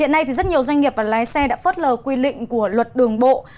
hôm nay thì rất nhiều doanh nghiệp và lái xe đã phớt lờ quy lịnh của luật đường bộ